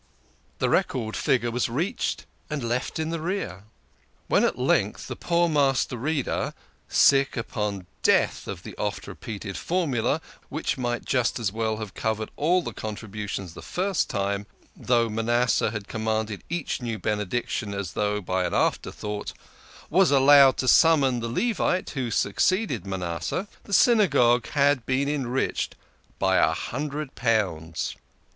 The record figure was reached and left in the rear. When at length the poor Master Reader, sick unto death of the oft repeated formula (which might just as well have covered THE KING OF SCHNORRERS. 135 all the contributions the first time, though Manasseh had commanded each new Benediction as if by an after thought), was allowed to summon the Levite who succeeded Manasseh, the Synagogue had been enriched by a hundred pounds.